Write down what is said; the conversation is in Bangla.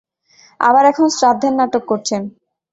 আবার এখন শ্রাদ্ধের নাটক করছেন।